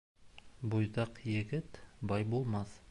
Буйҙаҡ егет бай булмаҫ.